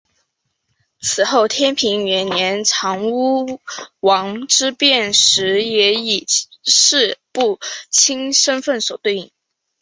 此后天平元年长屋王之变时也以式部卿身份所对应。